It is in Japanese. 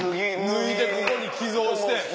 脱いでここに寄贈して。